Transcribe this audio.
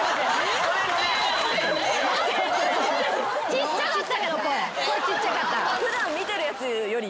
ちっちゃかったけど声。